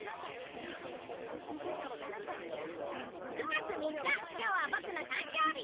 ９月３日今日はボクの誕生日！